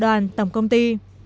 đoàn tổng công ty